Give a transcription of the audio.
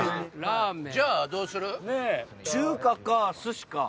じゃあどうする？